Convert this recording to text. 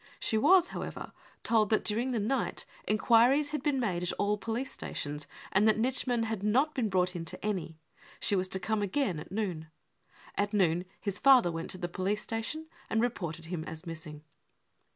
She was however tolcf MURDER 323 that during the night enquiries had been made at all police stations, and that Nitschmann had not been brought in to any. She was to come again at noon. At noon his father # went to the police station and reported him as missing.